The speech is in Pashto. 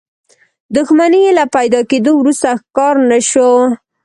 دښمنۍ له پيدا کېدو وروسته ښکار نه شو.